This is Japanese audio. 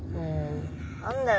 何だよ